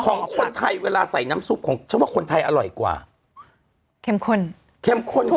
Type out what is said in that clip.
ของคนไทยเวลาใส่น้ำซุปของฉันว่าคนไทยอร่อยกว่าเข้มข้นเข้มข้นกว่า